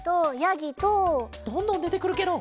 どんどんでてくるケロ。